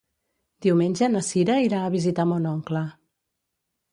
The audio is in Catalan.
Diumenge na Sira irà a visitar mon oncle.